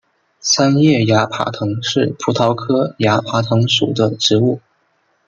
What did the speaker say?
三叶崖爬藤是葡萄科崖爬藤属的植物。